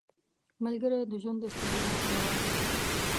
ملګری د ژوند د ستړیا دوا ده